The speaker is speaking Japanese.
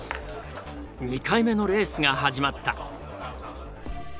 ２回目のレースが始まった。